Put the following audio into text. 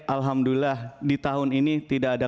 alhamdulillah di tahun ini tidak ada